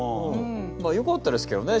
まあよかったですけどね